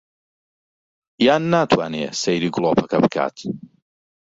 یان ناتوانێ سەیری گڵۆپەکە بکات